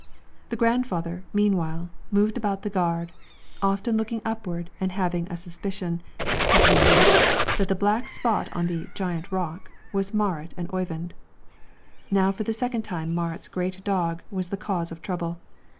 The grandfather, meanwhile, moved about the gard, often looking upward and having a suspicion, at least, that the black spot on the "giant rock" was Marit and Oyvind. Now for the second time Marit's great dog was the cause of trouble.